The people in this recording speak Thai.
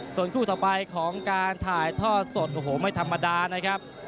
ส่วนคู่ต่อไปของการถ่ายทอดสดโอ้โหไม่ธรรมดานะครับ